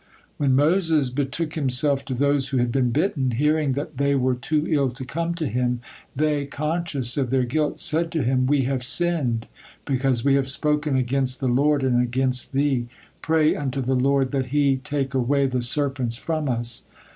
When Moses betook himself to those who had been bitten, hearing that they were too ill to come to him, they, conscious of their guilt, said to him: "We have sinned, because we have spoken against the Lord and against thee; pray unto the Lord, that He take away the serpents from us."